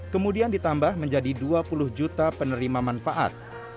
kemudian ditambah menjadi dua puluh juta penerima manfaat